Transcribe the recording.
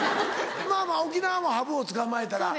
まぁまぁ沖縄もハブを捕まえたら。